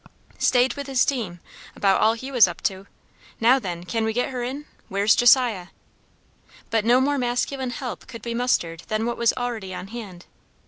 "Staid with his team; about all he was up to. Now then, can we get her in? Where's Josiah?" But no more masculine help could be mustered than what was already on hand.